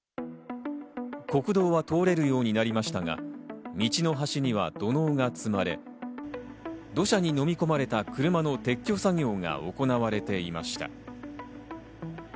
国道は通れるようになりましたが、道の端には土のうが積まれ、土砂に飲み込まれた車の撤去作業が行われていました。